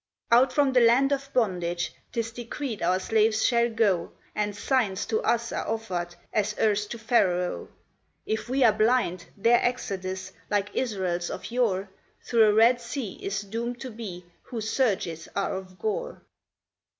Out from the land of bondage 'tis decreed our slaves shall go, And signs to us are offered, as erst to Pharaoh; If we are blind, their exodus, like Israel's of yore, Through a Red Sea is doomed to be, whose surges are of gore.